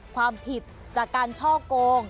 ความผิดจากการช่อโกง